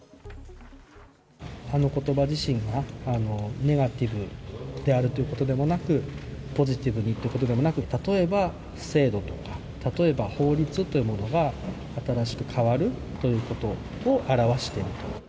あのことば自身が、ネガティブであるということでもなく、ポジティブにということでもなく、例えば、制度とか、例えば法律というものが新しく変わるということを表していると。